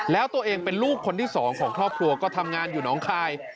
แล้วตัวเองเป็นลูกคนที่สองของครอบครัวก็ทำงานอยู่น้องคาย